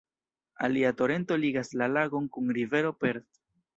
Alia torento ligas la lagon kun rivero Perth.